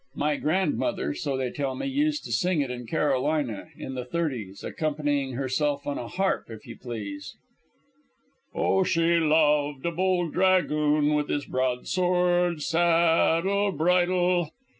My grandmother so they tell me used to sing it in Carolina, in the thirties, accompanying herself on a harp, if you please: "Oh, she loved a bold dragoon, With his broadsword, saddle, bridle."